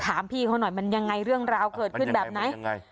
ถามพี่เขาหน่อยมันยังไงเรื่องราวเกิดขึ้นแบบไหนมันยังไงมันยังไง